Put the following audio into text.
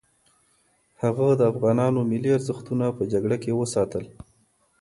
هغه د افغانانو ملي ارزښتونه په جګړه کې وساتل.